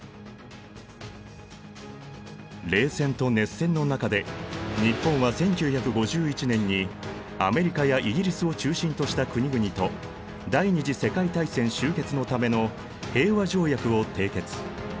冷戦と熱戦の中で日本は１９５１年にアメリカやイギリスを中心とした国々と第二次世界大戦終結のための平和条約を締結。